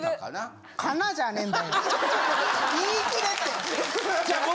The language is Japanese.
言い切れって！